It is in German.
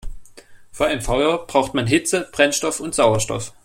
Für ein Feuer braucht man Hitze, Brennstoff und Sauerstoff.